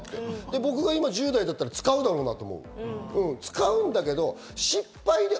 僕が今１０代だったら使うだろうなって。